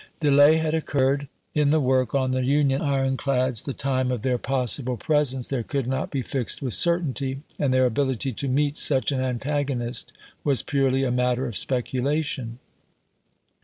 Delay had occurred in the work on the Union ironclads, the time of their possible presence there could not be fixed with certainty, and their ability to meet such an antagonist was "ourely a matter of specula tion.